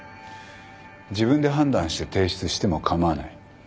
自分で判断して提出しても構わない。